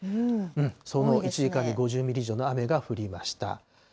その１時間に５０ミリ以上の雨が降りました。